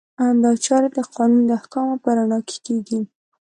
دا چارې د قانون د احکامو په رڼا کې کیږي.